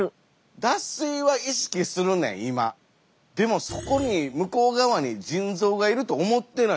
でもそこに向こう側に腎臓がいると思ってないんで。